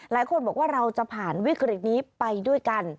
หลายคนบอกว่าเราจะผ่านวิกฤตนี้ไปด้วยกัน